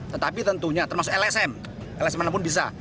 tetapi tentunya termasuk lsm lsm mana pun bisa